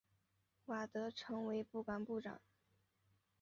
瓦德成为不管部长。